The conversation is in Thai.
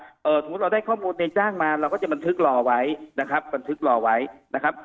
ถูกว่าเราได้ข้อมูลในจ้างมาเราก็จะบันทึกรอไว้นะครับ